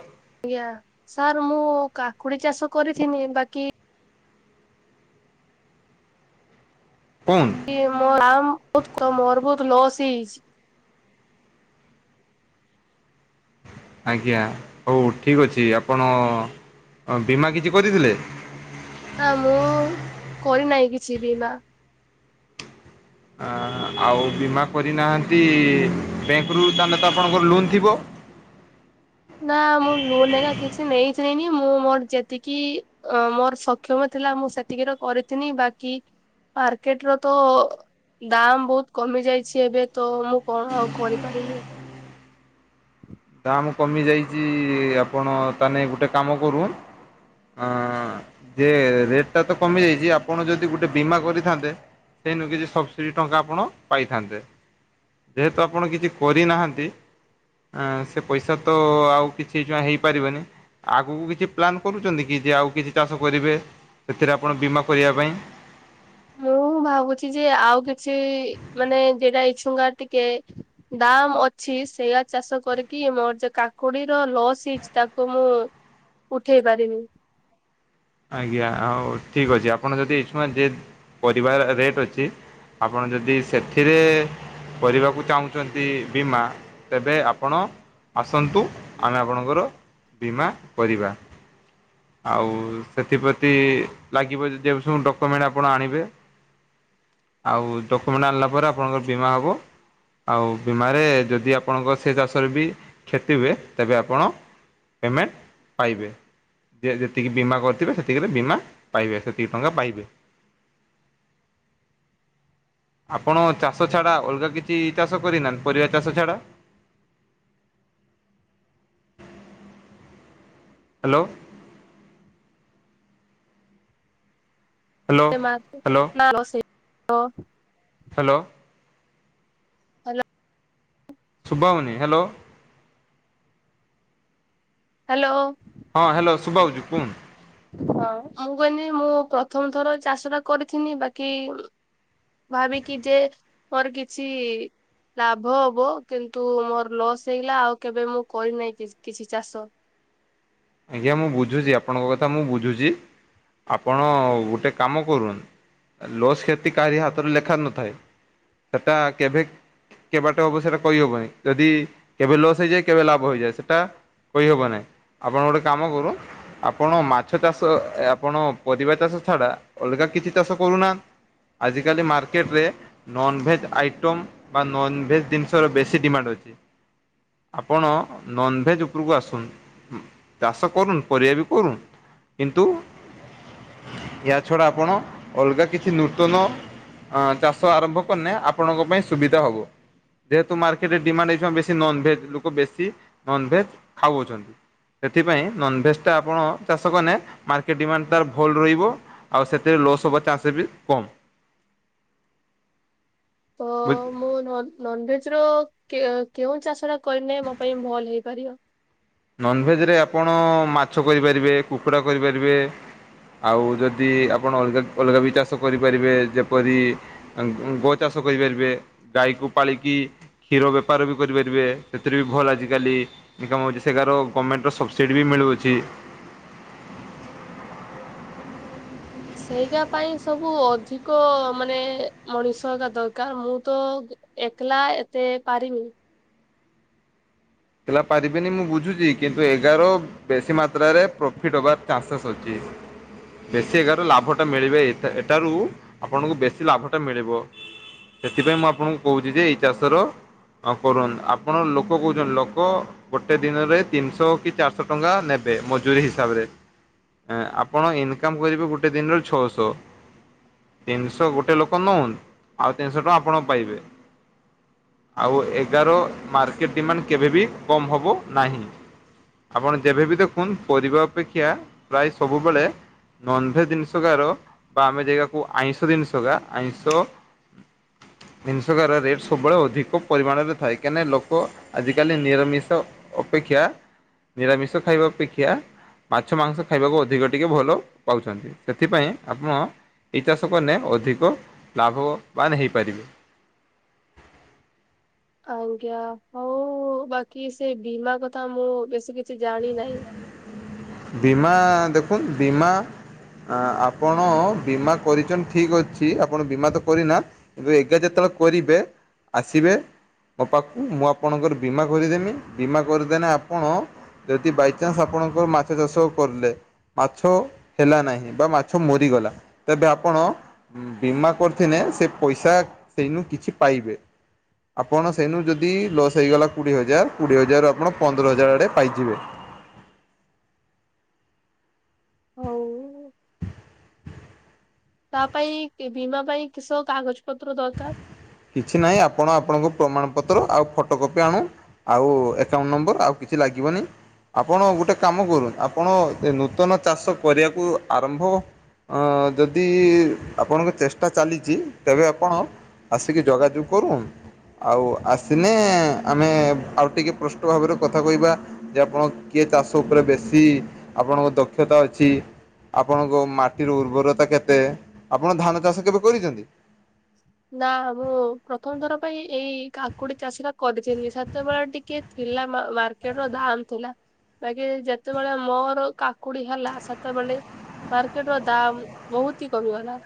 ହଉ ଆଜ୍ଞା, ସାର୍ ମୁଁ କାକୁଡି ଚାଷ କରିଥିନି ବାକି [unintelligible] ମୋର ଆ ବହୁତ୍ ମୋର୍ ବହୁତ୍ ଲସ୍ ହେଇଚି। ଆଜ୍ଞା ହଉ ଠିକ୍ ଅଛି ଆପଣ ବୀମା କିଛି କରିଥିଲେ? ନା ମୁଁ କରିନାହିଁ କିଛି ବିମା। ଆଉ ବୀମା କରିନାହାନ୍ତି, ବ୍ୟାଙ୍କରୁ ତାହେଲେ ତ ଆପଣଙ୍କର ଲୋନ୍ ଥିବ? ନା ମୁଁ ଲୋନ୍ ହେକା କିଛି ନେଇଥିଲିନି, ମୁଁ ମୋର୍ ଯେତିକି ଅଁ ମୋର୍ ସ ସକ୍ଷମ ଥିଲା ମୁଁ ସେତିକି ର କରିିଥିନି, ବାକି ମାର୍କେଟ ର ତ ଦାମ୍ ବହୁତ୍ କମି ଯାଇଛି ଏବେ ତ ମୁଁ କଣ ଆଉ କରିପାରିବି। ଦାମ କମି ଯାଇଚି, ଆପଣ ତାହେନେ ଗୋଟେ କାମ କରୁନ୍ ହଁ ଯେ ରେଟ୍ ଟା ତ କମି ଯାଇଚି, ଆପଣ ଯଦି ଗୋଟେ ବୀମା କରିଥାନ୍ତେ ସେନୁ କିଛି ସବସିଡି ଟଙ୍କା ଆପଣ ପାଇଥାନ୍ତେ। ଯେହେତୁ ଆପଣ କିଛି କରିନାହାନ୍ତି ଆଁ ସେ ପଇସା ତ ଆଉ କିଛି ଯ ହେଇପାରିବନି। ଆଗୁକୁ କିଛି ପ୍ଲାନ୍ କରୁଚନ୍ତି କି ଯେ ଆଉ କିଛି ଚାଷ କରିବେ ସେଥିରେ ଆପଣ ବୀମା କରିବା ପାଇଁ? ମୁଁ ଭାବୁଚି ଯେ ଆଉ କିଛି ମାନେ ଯେଟା ଇଛୁଙ୍ଗାର ଟିକେ ଦାମ୍ ଅଛି [unintelligible] ଚାଷ କରିକି ମୋର [unintelligible] କାକୁଡିର ଲସ୍ ହେଇଚି ତାକୁ ମୁଁ ଉଠେଇ ପାରିବି। ଆଜ୍ଞା, ଆଉ ଠିକ୍ ଅଛି ଆପଣ ଯଦି [unintelligible] ଯେ ପରିବା ରେଟ୍ ଅଛି ଆପଣ ଯଦି ସେଥିରେ କରିବାକୁ ଚାହୁଁଛନ୍ତି ବୀମା ତେବେ ଆପଣ ଆସନ୍ତୁ ଆମେ ଆପଣଙ୍କର ବୀମା କରିବା। ଆଉ ସେଥିପ୍ରତି ଲାଗିବ ଯଦି ସବୁ ଡକ୍ୟୁମେଣ୍ଟ ଆପଣ ଆଣିବେ। ଆଉ ଡକ୍ୟୁମେଣ୍ଟ ଆଣିଲା ପରେ ଆପଣଙ୍କର ବୀମା ହବ। ଆଉ ବୀମାରେ ଯଦି ଆପଣଙ୍କ ସେ ଚାଷରେ ବି କ୍ଷତି ହୁଏ ତେବେ ଆପଣ ପେମେଣ୍ଟ ପାଇବେ ଯେ ଯେତିକି ବୀମା କ ସେତିକିରେ ବୀମା ପାଇବେ ସେତିକି ଟଙ୍କା ପାଇବେ। ଆପଣ ଚାଷ ଛଡା ଅଲଗା କିଛି ଚାଷ କରିନାହାନ୍ତି ପରିବା ଚାଷ ଛଡା? Hello. Hello hello [unintelligible] hello. [inaudible] Hello. [inaudible] ସୁୁଭାହଉନି ହ୍ୟା ହ୍ୟାଲୋ। ହଁ ହ୍ୟାଲୋ ଶୁଭାହଉଛି କୁହନ୍ତୁ। ହଁ ମୁଁ କହିଲି ମୁଁ ପ୍ରଥମ ଥର ଚାଷ ଟା କରିଥିନି ବାକି ଭାବିକି ଯେ ମୋର କିଛି ଲାଭ ହବ କିନ୍ତୁ ମୋର ଲସ୍ ହେଇଗଲା ଆଉ କେବେ ମୁଁ କରିନାହିଁ କିଛି ଚାଷ। ଆଜ୍ଞା ମୁଁ ବୁଝୁଛି ଆପଣଙ୍କ କଥା ମୁଁ ବୁଝୁଛି ଆପଣ ଗୋଟେ କାମ କର ଲସ୍ କ୍ଷେତି କାହାରି ହାତରେ ଲେଖା ନଥାଏ ସେଟା କେବେ କେ ବାଟେ ହବ ସେଇଟା କହିହବନି ଯଦି କେବେ ଲସ୍ ହେଇଯାଏ କେବେ ଲାଭ ହେଇଯାଏ ସେଟା। କହିହବ ନାହିଁ ଆପଣ ଗୋଟେ କାମ କର ଆପଣ ମାଛ ଚାଷ ଆପଣ ପରିବା ଚାଷ ଛଡା ଅଲଗା କିଛି ଚାଷ କରୁନାହାନ୍ତି। ଆଜି କାଲି ମାର୍କେଟ ରେ ନନଭେଜ୍ ଆଇଟମ୍ ବା ନନଭେଜ୍ ଜିନିଷର ବେଶୀ ଡିମାଣ୍ଡ ଅଛି। ଆପଣ ନନଭେଜ୍ ଉପରକୁ ଆସନ୍ତୁ। ଚାଷ କରୁନୁ ପରିବା ବି କରୁନୁ କିନ୍ତୁ ୟା ଛଡା ଆପଣ ଅଲଗା କିଛି ନୂତନ ଅ ଚାଷ ଆରମ୍ଭ କନେ ଆପଣଙ୍କ ପାଇଁ ସୁବିଧା ହବ। ଯେହେତୁ ମାର୍କେଟରେ ଡିମାଣ୍ଡ ହେଇଥି ପାଇଁ ବେଶୀ ନନ୍ଭେଜ୍ ଲୋକ ବେଶୀ ନନ୍ଭେଜ୍ ଖାଉଅଛନ୍ତି। ସେଥିପାଇଁ ନନ୍ ଭେଜ୍ଟା ଆପଣ ଚାଷ କଲେ ମାର୍କେଟ ଡିମାଣ୍ଡ ତାର ଭଲ ରହିବ। ଆଉ ସେଥିରେ ଲସ୍ ହବ ଚାନ୍ସ ବି କମ୍। [unintelligible] ନନ୍ ଭେଜ୍ ର କେ କେଉଁ ଚାଷ ଟା କରିନେ ମୋ ପାଇଁ ଭଲ ହେଇପାରିବ। ନନ୍ ଭେଜ୍ ରେ ଆପଣ ମାଛ କରିପାରିବେ କୁକୁଡ଼ା କରିପାରିବେ। ଆଉ ଯଦି ଆପଣ ଅଲଗା ଅଲଗା ବି ଚାଷ କରିପାରିବେ ଯେପରି ଗୋ ଚାଷ କରିପାରିବେ ଗାଈକୁ ପାଳିକି। କ୍ଷୀର ବେପାର ବି କରିପାରିବେ ସେଥିରେ ବି ଭଲ ଆଜିକାଲି ଇଙ୍କମ୍ [unintelligible] ହଉଛି। ସେଠୀକାର ଗମେଣ୍ଟର୍ ସବସିଡ଼ି ବି ମିଳୁଅଛି। ସେଇଟା ପାଇଁ ସବୁ ଅଧିକ ମାନେ ମଣିଷ ଆକା ଦରକାର ମୁଁ ତ ଏକଲା ଏତେ ପାରି ହେଲା ପାରିବେନି ମୁଁ ବୁଝୁଛି କିନ୍ତୁ ଏଗାର ବେଶୀ ମାତ୍ରାରେ ପ୍ରଫିଟ୍ ହବାର ଚାନ୍ସେସ୍ ଅଛି। ବେଶୀ ଏଗାର ଲାଭଟା ମିଳିବେ। ଏଠାରୁ ଆପଣଙ୍କୁ ବେଶୀ ଲାଭଟା ମିଳିବ। ସେଥିପାଇଁ ମୁଁ ଆପଣଙ୍କୁ କହୁଛି ଯେ ଏଇ ଚାଷର କରନ୍ତୁ। ଆପଣ ଲୋକ କହୁଛନ୍ତି? ଲୋକ ଲୋକ ଗୋଟେ ଦିନରେ ତିନିଶହ କି ଚାରିଶହ ଟଙ୍କା ନେବେ। ମଜୁରୀ ହିସାବରେ। ଆପଣ ଇନକମ୍ କରିବେ ଗୋଟେ ଦିନରେ ଛଅ ଶହ। ତିନି ଶହ ଗୋଟେ ଲୋକ ନଉନି। ଆଉ ତିନି ଶହ ଟଙ୍କା ଆପଣ ପାଇବେ। ଆଉ ଏଗାର ମାର୍କେଟ ଡିମାଣ୍ଡ କେବେବି କମ୍ ହବ ନାହିଁ। ଆପଣ ଯେବେବି ଦେଖନ୍ତୁ। ପରିବା ଅପେକ୍ଷା ପ୍ରାୟ ସବୁବେଳେ ନନ୍ ଭେଜ୍ ଜିନିଷକାର ବା ଆମେ ଜାଗାକୁ ଆଇଁଷ ଜିନିଷ କା ଆଇଁଷ ଜିନିଷକାର ରେଟ୍ ସବୁବେଳେ ଅଧିକ ପରିମାଣରେ ଥାଏ। କାଁନା ଲୋକ ଆଜିକାଲି ନିରାମିଷ ଅପେକ୍ଷା ନିରାମିଷ ଖାଇବା ଅପେକ୍ଷା ମାଛ, ମାଂସ ଖାଇବାକୁ ଅଧିକ ଟିକେ ଭଲ ପାଉଛନ୍ତି। ସେଥିପାଇଁ ଆପଣ ଏହି ଚାଷ କଲେ ଅଧିକ ଲାଭବାନ ହେଇପାରିବେ। ଆଜ୍ଞା। ହଉ ବାକି ସେ ବୀମା କଥା ମୁଁ ବେଶୀ କିଛି ଜାଣି ନାହିଁ। ବୀମା ଦେଖନ୍ତୁ ବୀମା ଆପଣ ବୀମା କରିଛନ୍ତି ଠିକ୍ ଅଛି। ଆପଣ ବୀମା ତ କରିନା [unintelligible] ଏଗା ଯେତେବେଳେ କରିବେ ଆସିବେ ମୋ ପାଖକୁ ମୁଁ ଆପଣଙ୍କର ବୀମା କରିଦେମି। ବୀମା କରିଦେଲେ ଆପଣ ଯଦି ବାଇଚାନ୍ସ ଆପଣଙ୍କର ମାଛ ଚାଷ କରିଲେ ମାଛ ହେଲା ନାହିଁ ବା ମାଛ ମରିଗଲା, ତେବେ ଆପଣ ବୀମା କରିଥିଲେ ସେ ପଇସା ସେଇନୁ କିଛି ପାଇବେ। ଆପଣ ସେଇନୁ ଯଦି ଲସ୍ ହେଇଗଲା କୋଡ଼ିଏ ହଜାର କୋଡ଼ିଏ ହଜାରରୁ ଆପଣ ପନ୍ଦର ହଜାର ଆଡ଼େ ପାଇଯିବେ। ହଉ। ତା ପାଇଁ ବୀମା ପାଇଁ କିସ କାଗଜ ପତ୍ର ଦରକାର? କିଛି ନାହିଁ ଆପଣ ଆପଣଙ୍କୁ ପ୍ରମାଣପତ୍ର। ଆଉ ଫଟୋ କପି ଆଣୁ ଆଉ ଏକଉଣ୍ଟ ନମ୍ବର। ଆଉ କିଛି ଲାଗିବନି। ଆପଣ ଗୋଟେ କାମ କରୁନ୍ତୁ। ଆପଣ ଏ ନୂତନ ଚାଷ କରିବାକୁ ଆରମ୍ଭ ଯଦି ଆପଣଙ୍କ ଚେଷ୍ଟା ଚାଲିଛି ତେବେ ଆପଣ ଆସିକି ଯୋଗାଯୋଗ କରୁନ୍ତୁ। ଆଉ ଆସିଲେ ଆମେ ଆଉ ଟିକେ ସ୍ପଷ୍ଟ ଭାବରେ କଥା କହିବା। ଯେ ଆପଣ କି ଚାଷ ଉପରେ ବେଶୀ ଆପଣଙ୍କ ଦକ୍ଷତା ଅଛି। ଆପଣଙ୍କ ମାଟିର ଉର୍ବରତା କେତେ? ଆପଣ ଧାନ ଚାଷ କେବେ କରିଛନ୍ତି? ନା ମୁଁ ପ୍ରଥମ ଥର ପାଇଁ ଏଇ କାକୁଡି ଚାଷ ଟା କରିଥିଲି। ସେତେବେଳେ ଟିକେ ଥିଲା ମାର୍କେଟର ଦାମ୍ ଥିଲା। ବାକି ଯେତେବେଳେ ମୋର କାକୁଡି ହେଲା ସେତେବେଳେ ମାର୍କେଟର ଦାମ୍ ବହୁତି କମିଗଲା।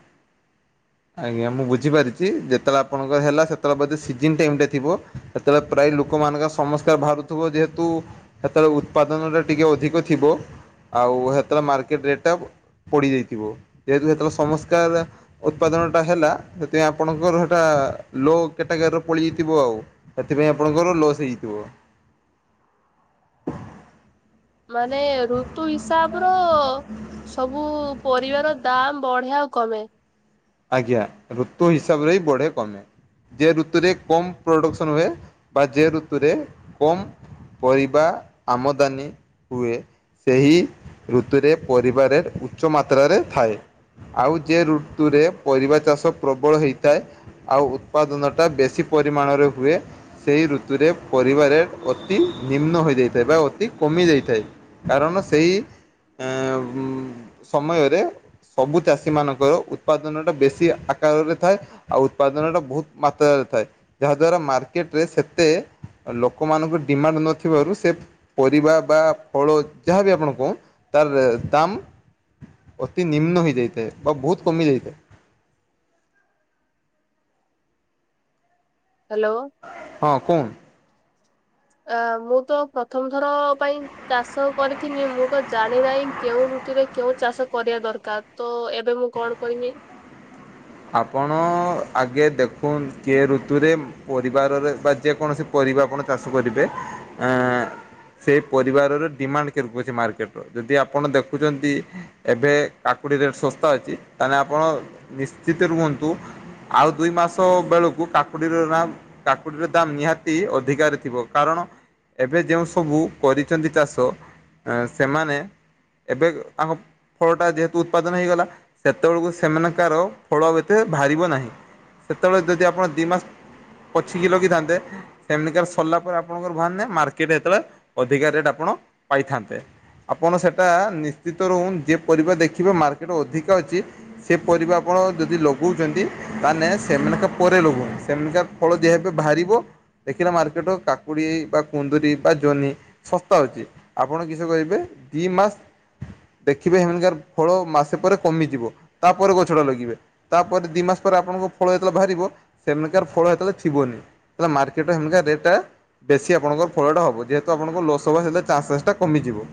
ଆଜ୍ଞା। ମୁଁ ବୁଝିପାରିଛି। ଯେତେବେଳେ ଆପଣଙ୍କର ହେଲା ସେତେବେଳେ ବୋଧେ ସିଜିିନ୍ ଟାଇମ୍ ରେ ଥିବ। ସେତେବେଳେ ପ୍ରାୟ ଲୋକମାନଙ୍କ ସମସ୍ୟା ବାହାରୁଥିବ। ଯେହେତୁ ସେତେବେଳେ ଉତ୍ପାଦନଟା ଟିକେ ଅଧିକ ଥିବ। ଆଉ ସେତେବେଳେ ମାର୍କେଟ ରେଟ୍ ଟା ପଡ଼ିଯାଇଥିବ। ଯେହେତୁ ସେତେବେଳେ ସମସ୍କାର ଉତ୍ପାଦନଟା ହେଲା। ସେଥିପାଇଁ ଆପଣଙ୍କର ସେଇଟା ଲୋ କ୍ୟାଟାଗରୀରେ ପଡି ଯାଇଥିବ ଆଉ। ସେଥିପାଇଁ ଆପଣଙ୍କର ଲସ୍ ହେଇଥିବ? ମାନେ ଋତୁ ହିସାବର ସବୁ ପରିବାର ଦାମ୍ ବଢ଼େ ଆଉ କମେ। ଆଜ୍ଞା। ଋତୁ ହିସାବରେ ହି ବଢେ କମେ। ଯେ ଋତୁରେ କମ୍ ପ୍ରଡ଼କ୍ସନ୍ ହୁଏ, ବା ଯେ ଋତୁରେ କମ୍ ପରିବା ଆମଦାନୀ ହୁଏ। ସେହି ଋତୁରେ ପରିବା ରେଟ୍ ଉଚ୍ଚ ମାତ୍ରାରେ ଥାଏ। ଆଉ ଯେ ଋତୁରେ ପରିବା ଚାଷ ପ୍ରବଳ ହେଇଥାଏ। ଆଉ ଉତ୍ପାଦନ ଟା ବେଶୀ ପରିମାଣରେ ହୁଏ। ସେହି ଋତୁରେ ପରିବା ରେଟ୍ ଅତି ନିମ୍ନ ହୋଇଯାଇଥାଏ ବା ଅତି କମିଯାଇଥାଏ। କାରଣ ସେଇ ଏ ସମୟରେ ସବୁ ଚାଷୀ ମାନଙ୍କର ଉପାଦ ଦନ ଟା ବେଶୀ ଆକାର ରେ ଥାଏ ଆଉ ଉତ୍ପାଦନ ଟା ବହୁତ ମାତ୍ରାରେ ଥାଏ। ଯାହାଦ୍ୱାରା ମାର୍କେଟରେ ସେତେ ଲୋକମାନଙ୍କ ଡିମାଣ୍ଡ ନଥିବାରୁ ସେ ପରିବା ବା ଫଳ ଯାହାବି ଆପଣ ଙ୍କୁ ତାର ଦାମ୍ ଅତି ନିମ୍ନ ହେଇଯାଇଥାଏ ବା ବହୁତ କମି ଯାଇଥାଏ। ହ୍ୟାଲୋ। ହଁ କୁନ। ଅ ମୁଁ ତ ପ୍ରଥମଥର ପାଇଁ ଚାଷ କରିିଥିନି ମୁଁ ତ ଜାଣି ନାହିଁ କେଉଁ ଋତୁରେ କେଉଁ ଚାଷ କରିବା ଦରକାର ତ ଏବେ ମୁଁ କଣ କରିବି। ଆପଣ ଆଗେ ଦେଖୁନ୍ କେ ଋତୁରେ ପରିବାରରେ ବା ଯେକୌଣସି ପରିବା ଆପଣ ଚାଷ କରିବେ ଆ ସେଇ ପରିବାରର ଡିମାଣ୍ଡ କେତେ ହଉଚି ମାର୍କେଟର ଯଦି ଆପଣ ଦେଖୁଛନ୍ତି ଏବେ କାକୁଡି ରେଟ ଶସ୍ତା ଅଛି ତାଲେ ଆପଣ ନିଶ୍ଚିତ ରୁହନ୍ତୁ ଆଉ ଦୁଇ ମାସ ବେଳକୁ କାକୁଡିର ନା କାକୁଡିର ଦାମ ନିହାତି ଅଧିକାରେ ଥିବ କାରଣ ଏବେ ଯେଉଁ ସବୁ କରିଛନ୍ତି ଚାଷ ସେମାନେ ଏବେ ତାଙ୍କ ଫଳଟା ଯେହେତୁ ଉତ୍ପାଦନ ହୋଇଗଲା ସେତେବେଳକୁ ସେମାନଙ୍କର ଫଳ ଏତେ ବାହାରିବ ନାହିଁ ସେତେବେଳେ ଯଦି ଆପଣ ଦୁଇ ମାସ ପଛିକି ଲଗିଥାନ୍ତେ ସେମିତିକା ସରିଲା ପରେ ଆପଣଙ୍କର ବାହାର ନାଇ ମାର୍କେଟ ଯେତେବେଳେ ଅଧିକା ରେଟ୍ ଆପଣ ପାଇଥାନ୍ତେ। ଆପଣ ସେଟା ନିଶ୍ଚିତ ରୁଅନ୍ତୁ ଯେ ପରିବା ଦେଖିବେ ମାର୍କେଟ ଅଧିକା ଅଛି ସେ ପରିବା ଆପଣ ଯଦି ଲଗଉଛନ୍ତି ତାହାନେ ସେମାନଙ୍କ ପରେ ଲଗଉଛନ୍ତି ସେମାନଙ୍କ ଫଳ ବାହାରିବ ଦେଖିଲେ ମାର୍କେଟ କାକୁଡି ବା କୁନ୍ଦରିୀ ବା ଜନି ଶସ୍ତା ଅଛି ଆପଣ କିଷ କରିବେ ଦି ମାସ ଦେଖିବେ ହେମିକା ର ଫଳ ମାସେ ପରେ କମିଯିବ ତାପରେ ଗଛ ଛଟା ଲଗିବେ ତାପରେ ଦୁଇ ମାସ ପରେ ଆପଣଙ୍କ ଫଳ ଯେତେବେଳେ ବାହାରିବ ସେମିକାର ଫଳ ସେତେବେଳେ ଥିବନି। ହେଲେ ମାର୍କେଟ ହେମିକା ରେଟା ବେଶୀ ଆପଣଙ୍କର ଫଳଟା ହବ ଯେହେତୁ ଆପଣଙ୍କ ଲୋସ୍ ହବା ସେ ଚାନ୍ସେସ୍ ଟା କମିଯିବ।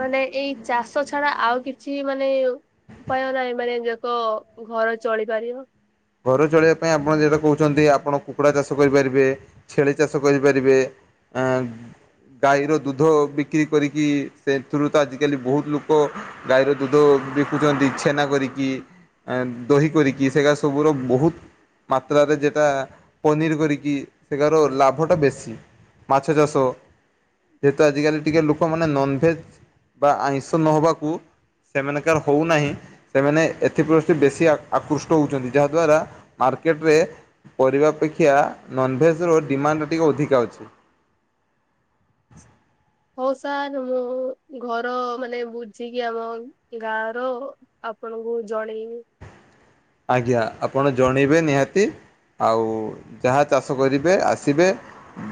ମାନେ ଏଇ ଚାଷ ଛଡା ଆଉ କିଛି ମାନେ ଉପାୟ ନାହିଁ ମାନେ ଯାକ ଘର ଚଳିପାରିବ ଘର ଚଳିବା ପାଇଁ ଆପଣ ଯେଟା କହୁଛନ୍ତି ଆପଣ କୁକୁଡା ଚାଷ କରିପାରିବେ ଛେଳି ଚାଷ କରିପାରିବେ। ଆଁ। ଗାଈର ଦୁଧ ବିକ୍ରି କରିକି ସେଥିରୁ ତ ଆଜିକାଲି ବହୁତ ଲୋକ ଗାଈର ଦୁଧ ବିକୁଛନ୍ତି ଛେନା କରିକି ଦହି କରିକି ସେଗା ସବୁର ବହୁତ ମାତ୍ରାରେ ଯେଟା ପନିର୍ କରିକି ସେଗାର ଲାଭଟା ବେଶୀ। ମାଛ ଚାଷ ଯେହେତୁ ଆଜିକାଲି ଟିକେ ଲୋକମାନେ ନନ ଭେଜ ବା ଆଇଁଷ ନହବାକୁ ସେମାନଙ୍କର ହଉନାହିଁ ସେମାନେ ଏଥିପ୍ରଷ୍ଠୀ ବେଶୀ ଆକୃଷ୍ଟ ହଉଛନ୍ତି। ଯାହାଦ୍ୱାରା ମାର୍କେଟରେ ପରିବା ଅପେକ୍ଷା ନନଭେଜ ର ଡିମାଣ୍ଡ ଟିକିେ ଅଧିକା ଅଛି। ହଉ ସାର୍ ମୁଁ ଘର ମାନେ ବୁଝିକି ଆମ ଗାଁ ର ଆପଣଙ୍କୁ ଜଣେଇମି। ଆଜ୍ଞା ଆପଣ ଜଣେଇବେ ନିହାତି। ଆଉ ଯାହା ଚାଷ କରିବେ ଆସିବେ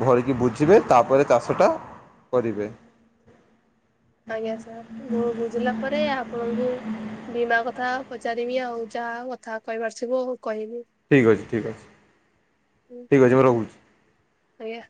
ଭରିକି ବୁଝିବେ ତାପରେ ଚାଷଟା କରିବେ। ଆଜ୍ଞା ସାର୍ ମୁଁ ବୁଝିଲା ପରେ ଆପଣଙ୍କୁ ବୀମା କଥା ପଚାରିବି ଆଉ ଯାହା କଥା କହିବାରଥିବ କହିବି। ଠିକ୍ ଅଛି ଠିକ୍ ଅଛି ଠିକ୍ ଅଛି ମୁଁ ରହୁଛି। ଆଜ୍ଞା।